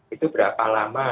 itu berapa lama